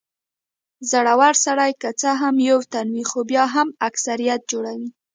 زړور سړی که څه هم یو تن وي خو بیا هم اکثريت جوړوي.